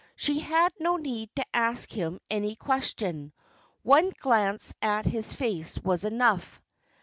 She had no need to ask him any question; one glance at his face was enough.